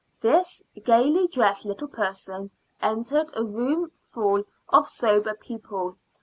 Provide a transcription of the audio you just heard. This gaily dressed little person entered a room full of sober people.